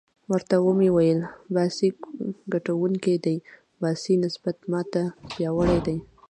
ورته ومې ویل: باسي ګټونکی دی، باسي نسبت ما ته پیاوړی دی.